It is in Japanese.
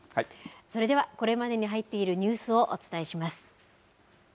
それでは、これまでに入っているニュースをお伝えします。